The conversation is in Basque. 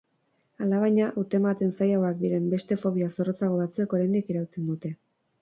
Alabaina, hautematen zailagoak diren beste fobia zorrotzago batzuek oraindik irauten dute.